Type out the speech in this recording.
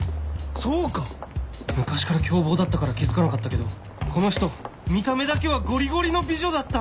そうか昔から凶暴だったから気付かなかったけどこの人見た目だけはゴリゴリの美女だった！